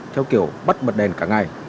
theo kiểu bắt bật đèn cả ngày